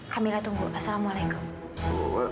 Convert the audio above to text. kak mila tunggu assalamualaikum